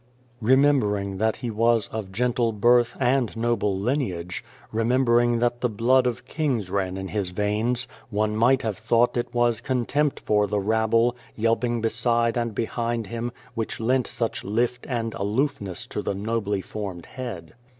Remembering that He was of gentle birth and noble lineage, remembering that the blood 132 Beyond the Door of kings ran in His veins, one might have thought it was contempt for the rabble, yelping beside and behind Him, which lent such "lift" and aloofness to the nobly formed head.